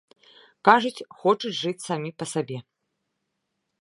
Кажуць, хочуць жыць самі па сабе.